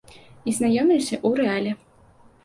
І знаёміліся ў рэале.